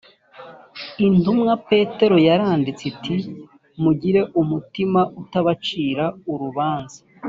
intumwa petero yaranditse ati mugire umutimanama utabacira urubanza